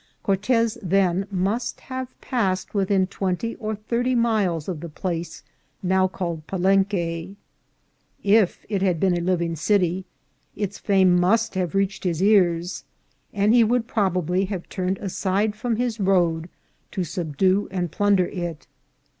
Cortez, then, must have passed within twenty or thirty miles of the place now called Palenque. If it had been a living city, its fame must have reached his ears, and he would proba bly have turned aside from his road to subdue and plun der it.